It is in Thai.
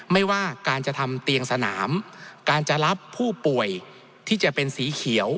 ไม่ว่าการจะทำเตียงสนามการจะรับผู้ป่วยที่จะเป็นสีเขียว